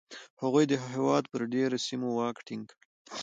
هغوی د هېواد پر ډېری سیمو واک ټینګ کړ